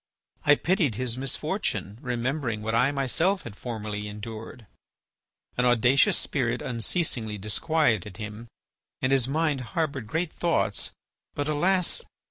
I pitied his misfortune, remembering what I myself had formerly endured. "An audacious spirit unceasingly disquieted him, and his mind harboured great thoughts, but alas!